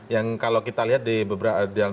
yang kalau kita lihat di beberapa